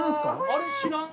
あれ知らん？